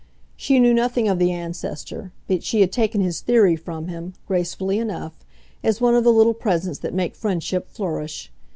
She knew nothing of the ancestor, but she had taken his theory from him, gracefully enough, as one of the little presents that make friendship flourish.